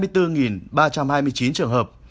hai mươi bốn ba trăm hai mươi chín trường hợp